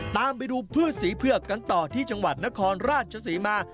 ตามไปดูพืชสีเผือกกันต่อที่จังหวัดนครราชศรีมา